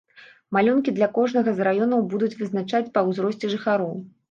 Малюнкі для кожнага з раёнаў будуць вызначаць па ўзросце жыхароў.